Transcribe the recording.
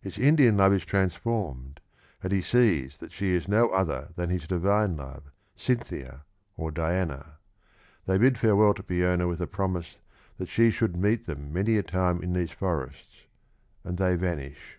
His Indian love is transformed, and he sees that she is no other than his divine love, Cynthia or Diana. They bid farewell to Peona with a promise that she should meet them many a time in these forests, and they vanish.